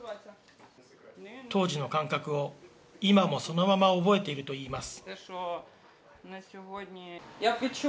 当時の感覚を今もそのまま覚えているといいます。